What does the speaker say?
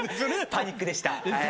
パニックでした。